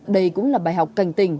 đây cũng là bài học cành tình